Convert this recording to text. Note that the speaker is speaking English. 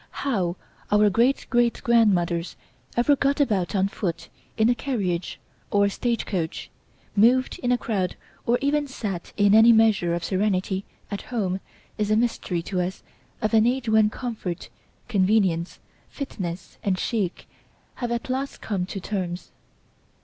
How our great great grandmothers ever got about on foot, in a carriage or stage coach, moved in a crowd or even sat in any measure of serenity at home, is a mystery to us of an age when comfort, convenience, fitness and chic have at last come to terms.